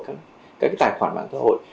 các tài khoản bảng xã hội